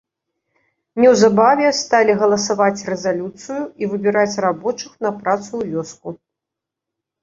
Неўзабаве сталі галасаваць рэзалюцыю і выбіраць рабочых на працу ў вёску.